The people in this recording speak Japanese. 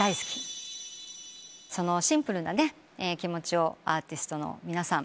そのシンプルな気持ちをアーティストの皆さん。